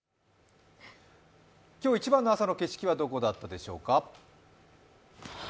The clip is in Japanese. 今日一番の朝の景色はどこだったでしょうか。